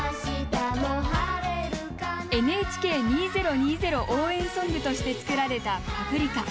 「ＮＨＫ２０２０応援ソング」として作られた「パプリカ」。